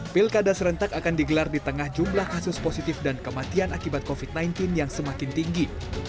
pilkada serentak akan digelar di tengah jumlah kasus positif dan kematian akibat covid sembilan belas yang semakin tinggi